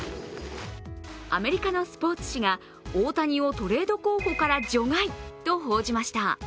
アメリカのスポーツ紙が大谷をトレード候補から除外と報じました。